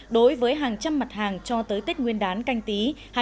đối với hàng trăm mặt hàng cho tới tết nguyên đán canh tí hai nghìn hai mươi